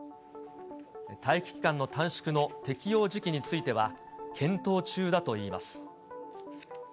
待機期間の短縮の適用時期については、検討中だといいます。